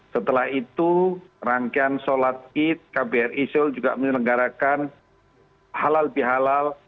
setelah itu rangkaian sholat id kbri seoul juga menyelenggarakan halal bihalal